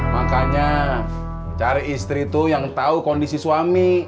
makanya cari istri tuh yang tau kondisi suami